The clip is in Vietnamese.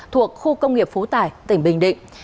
thuộc khu công nghiệp phú tài tỉnh bình định